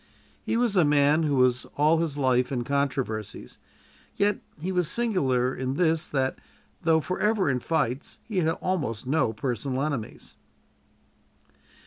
He was a man who was all his life in controversies, yet he was singular in this, that, though forever in fights, he had almost no personal enemies.